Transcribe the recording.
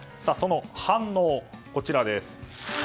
その反応はこちらです。